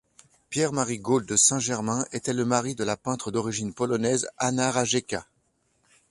Pierre-Marie Gault de Saint-Germain était le mari de la peintre d'origine polonaise Anna Rajecka.